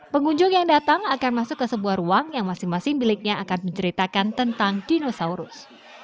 pengunjung yang datang akan masuk ke sebuah ruang yang masing masing miliknya akan menceritakan tentang dinosaurus